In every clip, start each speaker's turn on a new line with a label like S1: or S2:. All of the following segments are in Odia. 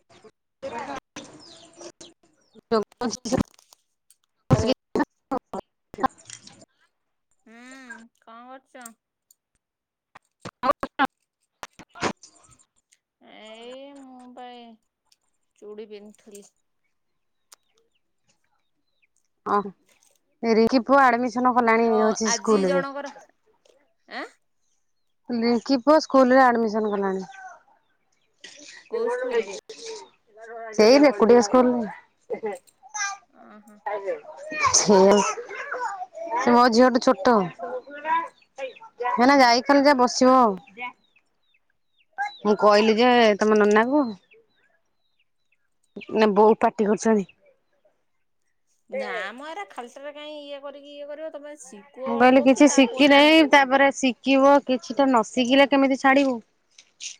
S1: [unintelligible] ହଁ
S2: ହୁଁ କଣ କରୁଚ? ଏଇ, ମୁଁ ପାଇଁ, ଚୁଡ଼ି ପିନ୍ଧୁଥିଲି।
S1: ଓଃ, ରିଙ୍କି ପୁଅ ଆଡମିସନ କଲାଣି,
S2: ତ
S1: ହଉଛି ସ୍କୁଲରେ।
S2: ଏଁ।
S1: ଲିଙ୍କି ପୁଅ, ସ୍କୁଲ ରେ ଆଡମିସନ କଲାଣି।
S2: କୋଉ ସ୍କୁଲ
S1: ଏଇ, ରେ ନିକୁଡିଆ ସ୍କୁଲରେ। ଁ
S2: ଓହୋ
S1: [unintelligible] ସିଏ, ମୋ ଝିଅ ଠୁ ଛୋଟ। ଏଇନା,
S2: ହଁ।
S1: ଯାଇଛନ୍ତି ଯେ ବସିବ ଆଉ। ମୁଁ, କହିଲି ଯେ ତମ ନନା କୁ। ନା, ବୋଉ ପାଟି କରୁଛନ୍ତି।
S2: ନା ମ, ଏରା ଖାଲି ଟା ରେ କାଇଁ ଇଏ କରିକି, ଇଏ କରିବ। ତମେ ଆସି,
S1: ମୁଁ କହିଲି, କିଛି ଶିଖିନାହିଁ। ତାପରେ ଶିଖିବ, କିଛିଟା ନ ଶିଖିଲେ, କେମିତି ଛାଡିବୁ।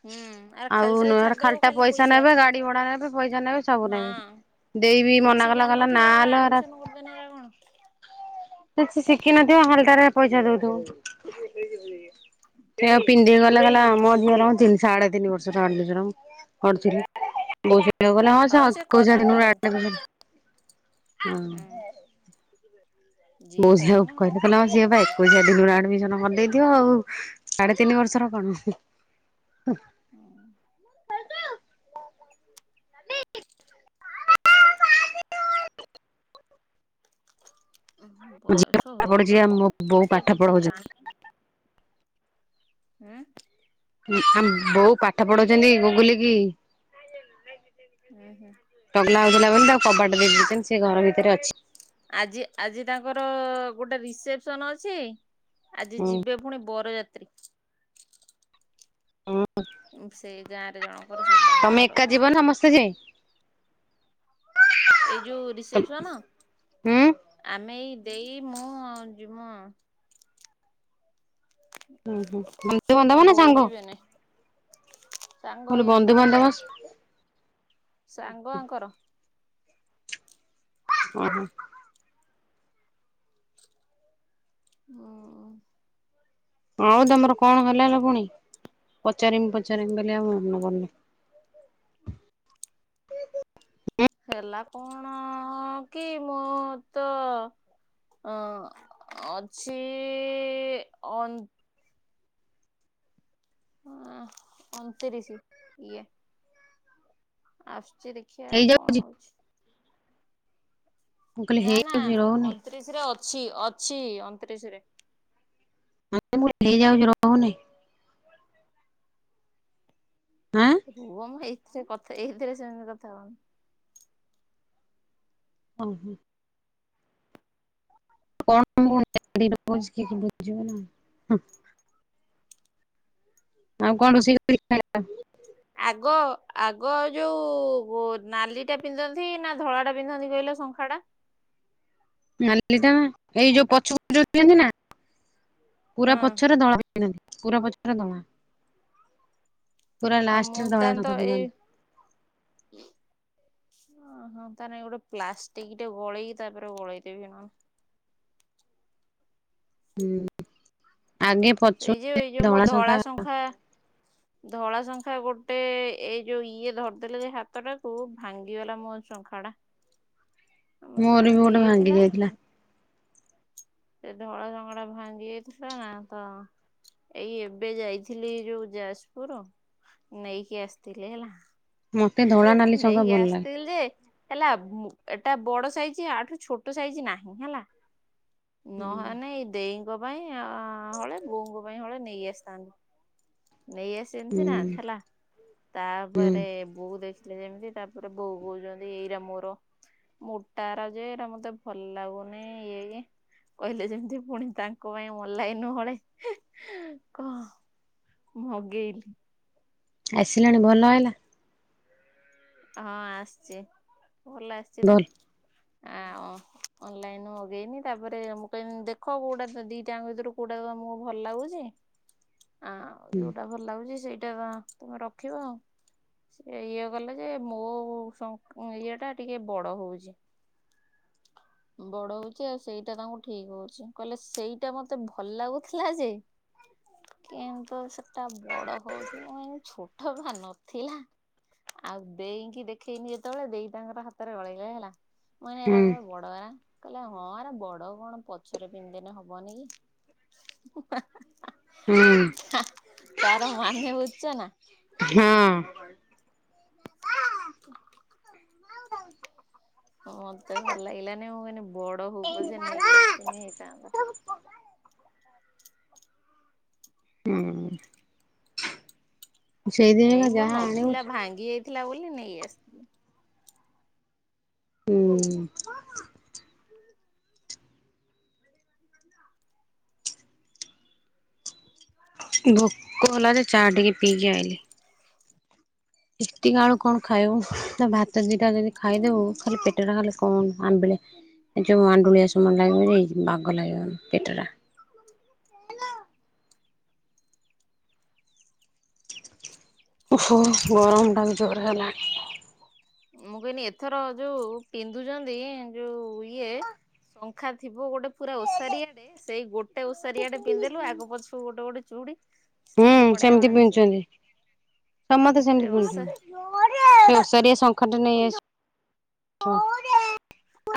S2: ହୁଁ ଆର
S1: ଆଉ,
S2: ଖାଲିଟାରେ
S1: ନହେଲେ
S2: ଛାଡିଦବ
S1: ଖାଲିଟା
S2: ଖାଲି
S1: ପଇସା ନେବେ, ଗାଡି ଭଡା ନେବେ, ପଇସା ନେବେ, ସବୁ ନେବେ।
S2: ହଁ।
S1: ଦେଇବି ମନା କଲା, କହିଲା ନା ଲୋ ଏରା,
S2: ନେ ରହୁଣ
S1: ସେ, ଶିଖିନଥିବ ଖାଲଟାରେ ପଇସା ଦେଉଥିବା। ସେଉ ପିନ୍ଧିକି ଗଲା। ଗଲା, ଆମ ଅଧିକ ର ତିନି ସାଢେ ତିନି ବର୍ଷ ତ ଷ୍ଟାର୍ଟ ହେବ ଅରଜି ରେ।
S2: ହଁ ସେ କରିନେ କରନ୍ତୁ ହୁଁ।
S1: [unintelligible]
S2: ଯିଏ
S1: ବୋଉ ଝିଅ
S2: କହିନେ
S1: କୁ କହିଲା,
S2: କ
S1: କହିଲା ହଁ, ସିଏ ଭାଇ
S2: ହଉ।
S1: କୁ କହିଛି। ଝିଅର ଆଡମିସନ କରିଦେଇଥିବ ଆଉ। ସାଢ଼େ ତିନି ବର୍ଷର କଣ।
S2: [inaudible] ଉ,
S1: ଝିଅ
S2: ବୟସ
S1: ପାଠ
S2: ହଉ
S1: ପଢୁଛି ଆଉ
S2: ତାକୁ,
S1: ମୋ ବୋଉ
S2: ସେ
S1: ପାଠ
S2: କିଛି
S1: ପଢଉଛନ୍ତି।
S2: ଜାଣିନି। ଉଁ।
S1: ଆ, ବୋଉ ପାଠ ପଢଉଛନ୍ତି, ଗୁଗୁଲି କି।
S2: [inaudible]
S1: ଚଗଲା ହଉଥିଲା ବୋଲି, ତାକୁ କବାଟ ଦେଇଦଛନ୍ତି। ସେ, ଘର ଭିତରେ ଅଛି।
S2: ଆଜି, ଆଜି, ତାଙ୍କର ଗୋଟେ ରିସେପସନ୍ ଅଛି। ଆଜି
S1: ହୁଁ
S2: ଯିବେ, ପୁଣି ବରଯାତ୍ରୀ।
S1: ହୁଁ
S2: ସେଇ ଗାଁ ରେ ଜଣଙ୍କର, ସେଇ
S1: ତମେ
S2: ବାହାଘର
S1: ଏକା ଯିବ
S2: ଅଛି।
S1: ସମସ୍ତେ ଯାଇ,
S2: ଏଇ ଯୋଉ ରିସେପସନ,
S1: ହୁଁ
S2: ଆମେ ଏଇ ଦେଇ ମୁଁ ଯିମୁ ଆଉ।
S1: ହୁଁ, ହୁଁ। ବନ୍ଧୁବାନ୍ଧବ ନା
S2: ବୋଉ
S1: ସାଙ୍ଗ,
S2: ଯିବେନି ସାଙ୍ଗ
S1: କହିଲି
S2: ଏଇ ୟାଙ୍କର
S1: ବନ୍ଧୁବାନ୍ଧବ
S2: ସାଙ୍ଗ। ସାଙ୍ଗ ଆଙ୍କର,
S1: ଓହୋ।
S2: ଅ
S1: ଆଉ ତମର କଣ ହେଲା ଲୋ ପୁଣି ପଚାରିମ୍ ପଚାରିମ୍ ବୋଲି ଆଉ ମନ କରନି।
S2: ହେଲା କଣଅ କି ମୁଁ ତ ଅ ଅଛିଇ ଅନ୍ ହଁ ଅଣତିରିଶି ଇଏ ଆସୁଚି ଦେଖିଆ ଆଉ କଣ
S1: ହେଇଯାଉଛି।
S2: ହଉଛି।
S1: ମୁଁ କହିଲି
S2: ନା ନା
S1: ହେଇଯାଉଛି ରହୁନି
S2: ଅଣତିରିଶ ରେ ଅଛି ଅଛି ଅଣତିରିଶରେ।
S1: ଆ ମୁଁ ହେଇ ଯାଉଚି ରହୁନି। ଆଁ।
S2: ରୁହ ମୁଁ ଏଇଥିରେ କଥା ଏଇଥିରେ ସେମିତି କଥା ହବନି।
S1: [unintelligible] [unintelligible] ଆଉ କଣ ରୋଷେଇ କରିକି ଖାଇଥିଲ?
S2: ଆଗ ଆଗ ଯୋଉ ବ ନାଲି ଟା ପିନ୍ଧନ୍ତି ନା ଧଳା ଟା ପିନ୍ଧନ୍ତି କହିଲ ଶଙ୍ଖା ଟା?
S1: ନାଲିଟା ଏଇ ଯୋଉ ପଛକୁ ଯୋଉ ଦିଅନ୍ତି ନା
S2: ହଁ
S1: ପୁରା ପଛରେ ଧଳା ପିନ୍ଧନ୍ତି। ପୁରା ପଛଟା ଧଳା ପୁରା
S2: ଆଉ ମୁଁ
S1: ଲାଷ୍ଟର ଧଳା
S2: ତାହେଲେ ତ
S1: ଶଙ୍ଖା
S2: ଏଇ
S1: ପିନ୍ଧନ୍ତି।
S2: [inaudible] ଓହୋ ତା ନଗି ଗୋଟେ ପ୍ଲାଷ୍ଟିକ ଟେ ଗଳେଇକି ତାପରେ ଗଳେଦେବି ନ
S1: ହୁଁ ଆଗେ ପଛୁ
S2: ଏଇ ଯୋଉ ଏଇ ଯୋଉ ମୋ ଧଳା ଶଙ୍ଖା ଧଳା ଶଙ୍ଖା ଗୋଟେ ଏଇ ଯୋଉ ଇଏ ଧରିଦେଲେ ଯେ ହାତ ଟାକୁ ଭାଙ୍ଗିଗଲା ମୋ ଶଙ୍ଖା ଟା। ଆଉଁ
S1: ମୋର ବି
S2: ଭାଙ୍ଗି
S1: ଗୋଟେ
S2: ଯାଇଥିଲା। ସେ ଧଳା ଶଙ୍ଖା ଟା ଭାଙ୍ଗି ଯାଇଥିଲା ନା ତ। ଏଇ ଏବେ ଯାଇଥିଲି ଯୋଉ ଯାଜପୁର। ନେଇକି ଆସିଥିଲି ହେଲା
S1: ମତେ ଧଳା ନାଲି
S2: ହେଁ
S1: ଶଙ୍ଖା
S2: ନେଇକି
S1: ଭଲ ଲାଗେ।
S2: ଆସିଥିଲି ଯେ ହେଲା ବୁଁ ଏଟା ବଡ ସାଇଜ ଆଠୁ ଛୋଟ ସାଇଜ ନାହିଁ ହେଲା। ନହେନେ
S1: ହୁଁ
S2: ଏଇ ଦେଇଙ୍କ ପାଇଁ ଆଉ ହଳେ ବୋଉଙ୍କ ପାଇଁ ହଳେ ନେଇ ଆସିଥାନ୍ତି। ନେଇ ଆସିନ ସିନା ହେଲା
S1: ହୁଁ
S2: ତାପରେ ବୋଉ ଦେଖ ଏଟା ଯେମିତି ତାପରେ ବୋଉ କହୁଚନ୍ତି ଏଇଟା ମୋର। ମୋଟା ଏରା ଯେ ଏଇଟା ମତେ ଭଲ ଲାଗୁନି। ଇଏ-ଇଏ କହିଲେ ଯେମିତି ପୁଣି ତାଙ୍କ ପାଇଁ ଅଲନାଇନ ରୁ ହଳେ ହେଁ ହେଁ କହ ମୁଁ ମଗେଇଲି।
S1: ଆସିଲାଣି ଭଲ ହେଲା।
S2: ହଁ ଆସଚି ଭଲ ଆସିଚି ତ।
S1: ଭଲ।
S2: ଆ ଅ ଅନଲାଇନ ରୁ ମଗେଇନି ତାପରେ ମୁଁ କହିନି ଦେଖ କୋଉଟା ଦ ଦିଟାଙ୍କ ଭିତରୁ କୋଉଟାକୁ ତମ କୁ ଭଲ ଲାଗୁଚି। ଆଁ ଯୋଉଟା ଭଲ ଲାଗୁଚି ସେଇଟା ବ ତମେ ରଖିବ ଆଉ। ସେ ଇଏ କଲେ ଯେ ମୋ ସଂଖ୍ ମୁ ଇଏ ଟା ଟିକେ ବଡ ହଉଛି। ବଡ ହଉଚି ଆଉ ସେଇଟା ତାଙ୍କୁ ଠିକ୍ ହଉଛି କହିଲେ ସେଇଟା ମତେ ଭଲ ଲାଗୁଥିଲା ଯେ। କିନ୍ତୁ ସେଟା ବଡ ହଉଚି ମୁଁ କହିନି ଛୋଟ ବା ନଥିଲା। ଆଉ ଦେଇଙ୍କି ଦେଖେଇନି ଯେତେବେଳେ ଦେଇ ତାଙ୍କର ହାତରେ ଗଳେଇଲେ ହେଲା। ମୁଁ କହିନି
S1: ହୁଁ
S2: [unintelligible] ବଗରା କହିଲା ହଁ ଆରା ବଡ କଣ ପଛରେ ପିନ୍ଧେନେ ହବନି କି? ହୁଁ-ହୁଁ
S1: ହୁଁ
S2: ହା-ହା-ହା-ହା ତାର ମନେ ବୁଚ ନା?
S1: ହଁ।
S2: [inaudible]
S1: [unintelligible]
S2: ହଁ ମତେ ଭଲ ଲାଗିଲାନି ମୁଁ କହିନି ବଡ ହଉ ପଛେ ନେଇକି ଆସିିଥିନି ହେଇଥାନ୍ତା।
S1: ହୁଁ ସେଇଥି ପାଇଁ ବା ଯାହା ଆଣିବୁ ସ
S2: ଇଏ ଥିଲା ବୋଲି ନେଇ ଆସିଥିଲି।
S1: ହୁଁ ଭୋକ ହେଲା ଯେ ଚା ଟିକେ ପିଇକି ଆଇଲି। ଏତିକ ଆଳୁ କଣ ଖାଇବୁ ତା ଭାତ ଦିଟା ଯଦି ଖାଇଦବୁ ଖାଲି ପେଟ ଟା ଖାଲି କଣ ଆମ୍ବିଳେ ଏ ଯୋଉ ଆଣ୍ଡୁଳିଆ ସମାନ ଲାଗିବ ଏଇ ବାଗ ଲାଗିବ ପେଟଟା ଅହ ଗରମ ଟା ବି ଜୋରେ ହେଲାଣି।
S2: ମୁଁ କଇଲି ଏଥର ଯୋଉ ପିନ୍ଧୁଛନ୍ତି ଯୋଉ ଇଏ ଶଙ୍ଖା ଥିବ ଗୋଟେ ପୁରା ଓସାରିଆ ଟେ ସେଇ ଗୋ ଟେ ଓଷାରିଆ ଟେ ପିନ୍ଧି ଦେଲୁ ଆଗ ପଛୁ ଗୋଟେ ଗୋଟେ ଚୁଡି
S1: ହୁଁ
S2: ସେମିତି ବଢିଆ ମାନିଚି।
S1: ପିନ୍ଧୁଛନ୍ତି। ସମସ୍ତେ ସେମିତି ପିନ୍ଧୁଚନ୍ତି। ଓସାରିଆ ସଙ୍ଖାଟା ନେଇ ଆସି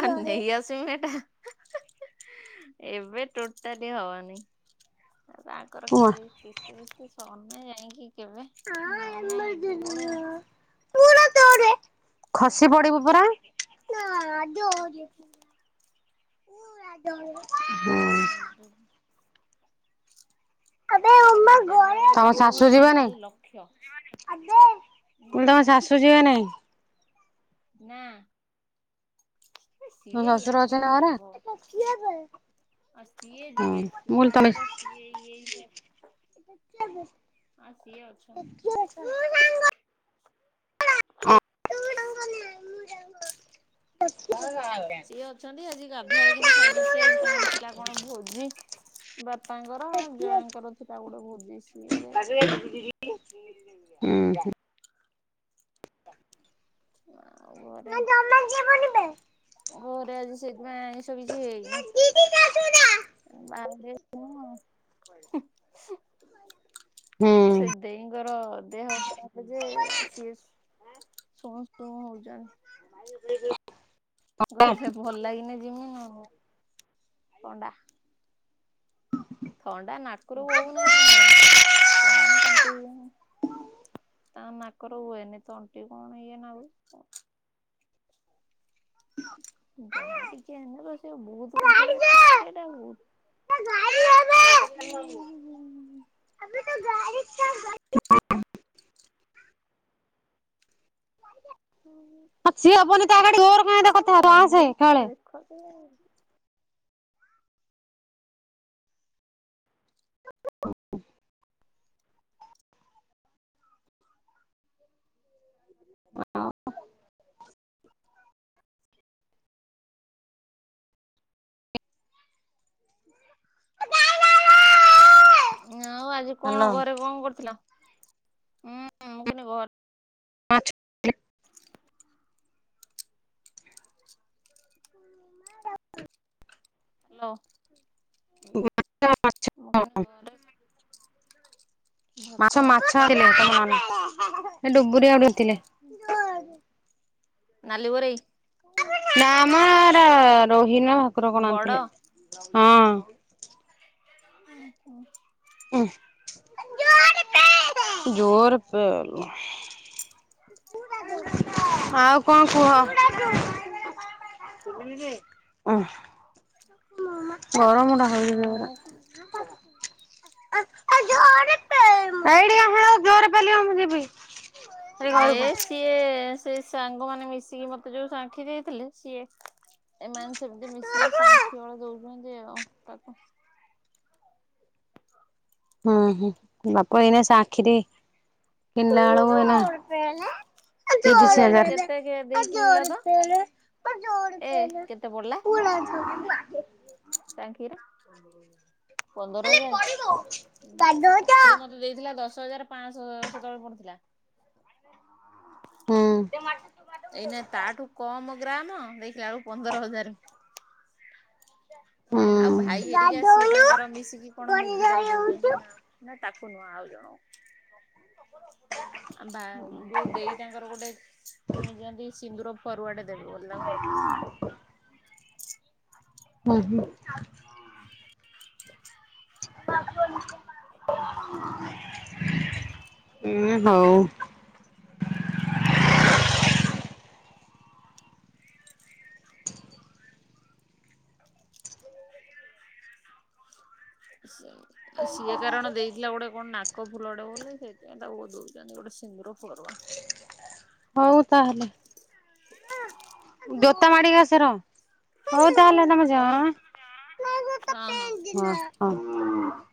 S2: ଆ ନେଇ ଆସିବୁ ମାନେ ଏଟା ଏବେ ଟୋଟାଲି ହବନି। ତାଙ୍କର କି
S1: ଉଆ
S2: କିସ୍ତି ବିସ୍ତି ସରିନି ଯାଇକି କେବେ ନହେଲେ ନାଇଁ ଏବେ ବଡ
S1: ଖସି ପଡିବୁ ପରା ନା ଜରେ ପୁରା ଜରେ ହୁଁ
S2: ଆ ଖାଲି ଯାହା ଗୋଟେ
S1: ତମ
S2: କିଣିବୁ
S1: ଶାଶୁ
S2: ଏଇନା
S1: ଯିବେ ନାଇଁ
S2: ଖାଲି ଲକ୍ଷ
S1: ମୁଁ
S2: ନା ନା
S1: [unintelligible]
S2: ନା
S1: ତମ
S2: ସିଏ
S1: ଶ୍ୱଶୁର ଅଛନ୍ତି
S2: ୟାଙ୍କର
S1: ନା ଘରେ
S2: ସାଙ୍ଗ। ଆଉ ସିଏ
S1: ହୁଁ
S2: ଯିବେ
S1: ମୁଁ
S2: ସିଏ
S1: କହିଲି ତମେ
S2: ତାଙ୍କର ସିଏ ଇଏ ହିଁ ତ
S1: [unintelligible]
S2: ହଁ ସିଏ ଅଛ
S1: ଏପୁ ହ ମୁଁ ଯାଏ
S2: ସିଏ ଅଛନ୍ତି ଆଜି ଗାଧୁଆଳି କିନ୍ତୁ ଖାଇନଥିଲେ ଆଜି ତାଙ୍କର ଥିଲା କଣ ଭୋଜି ବାପାଙ୍କର ଜୟଙ୍କର ଥିଲା ଗୋଟେ ଭୋଜି ସିଏ ଯାଇଥିଲେ।
S1: ଆସିବେ ହ କି ହୁଁ।
S2: ଆଉ ଘରେ
S1: ଜମା ଯିବନି ବେ
S2: ଘରେ ଆଜି ସେଇଥିପାଇଁ ଆଇଁଷ କିଛି ହେଇନାଇ ବା
S1: ହୁଁ
S2: ସେ ଦେଇଁଙ୍କର ଦେହ ଖରାପ ଯେ ସିଏ ଶୁଁ ଶୁଁ ହଉଛନ୍ତି।
S1: [unintelligible]
S2: କହିଲେ ଭଲ ଲାଗିନି ଯିମି [unintelligible] ପଣ୍ଡା
S1: ହ
S2: ଥଣ୍ଡା ନାକରୁ ବୋହୁନାହିଁ ତାଙ୍କର କଣ ତଣ୍ଟି ତାଙ୍କ ନାକର ହୁଏନି ତଣ୍ଟି କଣ ଇଏ ନାଗୁଚି।
S1: ହଁ
S2: ଯାହା ଟିକେ ଏନବ ସେ ବହୁତ କୁନ୍ଥେଇ ବେ ଟିକେ ଟା ବହୁତ ହୁଁ ହୁଁ
S1: ଆବେ ତ ଗାଡ଼ିଟା ତ ସିଏ ହେବନି ତା ଗାଡ଼ି ତର କାଇଁ କଥା ବାର୍ତ୍ତା ତୁ ଆସେ ଖେଳେ
S2: ନାଇ
S1: ହଲ ହଁ।
S2: ଆଉ ଆଜି କଣ
S1: ହାଲୋ
S2: ଘରେ କଣ କରୁଥିଲ ଉୁଁ ମୁଁ କଇଲି ଘ
S1: ମାଛ
S2: ସିଁ
S1: ହ ଡାକ୍ଟ
S2: ହ୍ୟାଲୋ।
S1: [unintelligible] [unintelligible]
S2: ମୁଁ କହିଲି ଘରେ
S1: ମାଛ ମାଛ ଆଣିଥିଲେ ତମ ନନା। ସେ ଡୁବୁରି ଆଡୁ ଆଣିଥିଲେ।
S2: ହୁଁ। ନାଲି ବୋରେଇ।
S1: ନାମ ଏରା ରୋହି ନା ଭାକୁର କଣ
S2: ବଡ
S1: ଆଣିଥିଲେ ହଁ।
S2: ଓହୋ।
S1: ଉଁ ଜୋରେ ପେଲେ। ହଁ ଆଉ କଁ କୁହ? ଓହ। ଗରମ ଟା ହଉଚି ଜୋରେ।
S2: ଆଉ
S1: [inaudible] ଏଇଠିକି ଆସିଲ ଜୋରରେ ପେଲିବ ମୁଁ ଯିବି। ଏଇ
S2: ଏ
S1: ଘରକୁ।
S2: ସିଏ ସେଇ ସାଙ୍ଗମାନେ ମିଶିକି ମତେ ଯୋଉ ସାଙ୍ଖି ଦେଇଥିଲେ ସିଏ ଏମାନେ ସେମିତି ମିଶିକି ସାଙ୍ଖି ହଳେ ଦଉଛନ୍ତି ଆଉ ତାକୁ।
S1: ହୁଁ ହୁଁ ବାପ ଏଇନା ସାଙ୍ଖି ଦି କିଣିଲା ଏଳୁକୁ ଏଇନା
S2: କେତେ ଦେ
S1: ତିରିଶ ହଜାର
S2: କେତେ
S1: ଏ
S2: ଦେଇ କିଣିଲ
S1: ଜୋରେ
S2: ତ
S1: ପେଲେ ଏ ଜୋରେ ପେଲେ ଏ ଜୋରେ
S2: ଏ
S1: ପେଲେ। ପୁରା ଛୋଟ [unintelligible]
S2: ଟାଙ୍କିରା ପନ୍ଦର ହଜାର ପନ୍ଦର ହଜାରେ ଉଁ ହୁଁ ସିଏ ମ ଦେଇଥିଲା ଦଶ ହଜାର ପାଆଁଶ ସେତେବେଳେ ପଡିଥିଲା।
S1: ହୁଁ।
S2: ଏଇନା ତାଠୁ କମ ଗ୍ରାମ ଦେଖିଲା ବେଳକୁ ପନ୍ଦର ହଜାର। ଆଉ ଭାଇ ହେରିକା ସିଏ ତାଙ୍କର ମିଶିକି କଣ ମୁଦି ତାକୁ ଦଉଚନ୍ତି ନା। ନା ତାକୁ ନୁହଁ ଆଉ ଜଣ କୁ ଆମ ଭା ଯଉ ଦେଇ ତାଙ୍କର ଗୋଟେ କିଣିଚନ୍ତି ସିନ୍ଦୁର ଫରୁଆ ଟେ ଦେବେ ବୋଲି। ତାକୁ।
S1: [inaudible] ନାହିଁ ଆଉ [inaudible] ଉଁ ହଉ।
S2: ସିଏ ସିଏ କାରଣ ଦେଇ ଥିଲା ଗୋଟେ କଣ ନାକ ଫୁଲ ଟେ ବୋଲି ସେଇଥି ପାଇଁ ତାକୁ ଦଉଛନ୍ତି ଗୋଟେ ସିନ୍ଦୁର ଫରୁଆ।
S1: ହଉ ତାହେଲେ। ଜୋତା ମାଡିିକି ଆସି ରହ। ହଉ
S2: ହଉ
S1: ତାହେଲେ ତମେ ଜାଅ
S2: ହଁ ହଁ।
S1: ଆଁ ହଁ ହଁ।